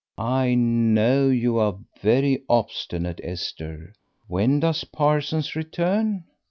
"I know you are very obstinate, Esther. When does Parsons return?"